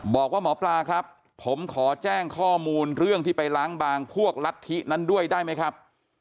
บอกว่าหมอปลาครับผมขอแจ้งข้อมูลเรื่องที่ไปล้างบางพวกลัทธินั้นด้วยได้ไหมครับ